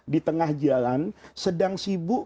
di tengah jalan sedang sibuk